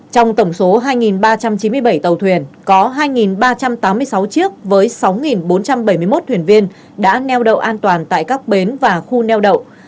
trong tổng số hai ba trăm chín mươi bảy tàu thuyền có hai ba trăm tám mươi sáu chiếc với sáu bốn trăm bảy mươi một thuyền viên đã neo đậu an toàn tại các bến và khu neo đậu